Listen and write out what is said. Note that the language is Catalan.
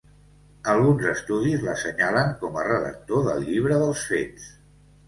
Alguns estudis l'assenyalen com a redactor del Llibre dels fets.